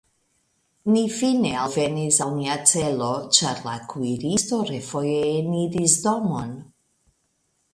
Ni fine alvenis al nia celo, ĉar la kuiristo refoje eniris domon.